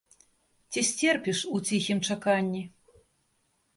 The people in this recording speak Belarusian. Ці сцерпіш у ціхім чаканні?